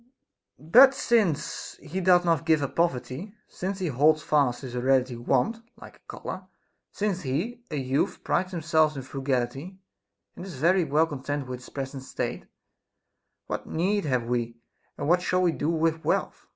But since he doth not give up poverty, since he holds fast his hereditary want, like a color, since he, a youth, prides himself in frugality, and is very well content with his present state, what need have we, and what shall we do with wealth